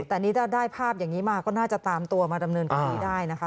แต่นี่ถ้าได้ภาพอย่างนี้มาก็น่าจะตามตัวมาดำเนินคดีได้นะคะ